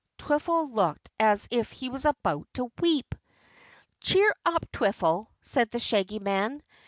Twiffle looked as if he were about to weep. "Cheer up, Twiffle," said the Shaggy Man.